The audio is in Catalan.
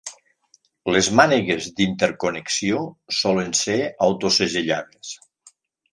Les mànegues d'interconnexió solen ser autosegellades.